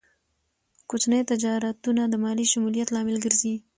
کوچني تجارتونه د مالي شمولیت لامل ګرځي.